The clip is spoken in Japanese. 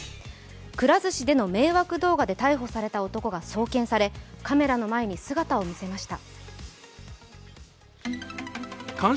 くら寿司での迷惑行為で逮捕された男がカメラの前に姿を見せました。